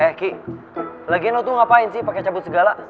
eh ki lagian lo tuh ngapain sih pake cabut segala